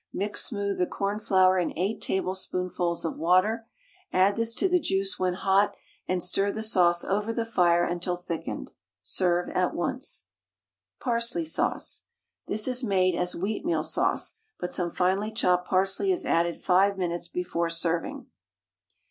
Mix smooth the cornflour in 8 tablespoonfuls of water, add this to the juice when hot, and stir the sauce over the fire until thickened; serve at once. PARSLEY SAUCE. This is made as "Wheatmeal Sauce," but some finely chopped parsley is added five minutes before serving.